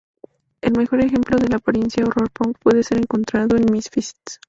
El mejor ejemplo de la apariencia horror punk puede ser encontrado en Misfits.